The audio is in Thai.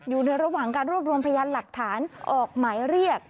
อยู่ในระหว่างการรวบรวมพยานหลักฐานออกหมายเรียก